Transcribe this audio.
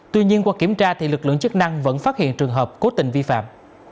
tuy nhiên qua kiểm tra lực lượng chức năng vẫn phát hiện trường hợp cố tình vi phạm